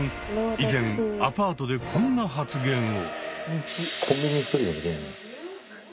以前アパートでこんな発言を。